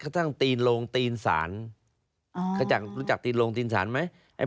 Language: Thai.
กระทั่งตีนโรงตีนศาลรู้จักตีนโรงตีนศาลไหม